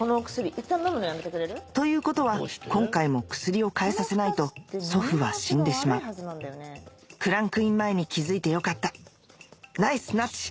いったん飲むということは今回も薬を変えさせないと祖父は死んでしまうクランクイン前に気付いてよかったナイスなっち！